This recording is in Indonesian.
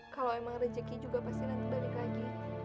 kalau emang rezeki juga pasti nanti balik lagi